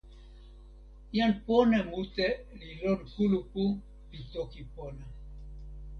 jan pona mute li lon kulupu pi toki pona.